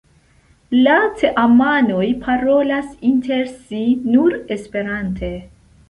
La teamanoj parolas inter si nur Esperante.